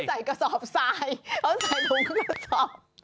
เขาไม่ได้ใส่กระสอบซ้ายเขาใส่ถุงกระสอบ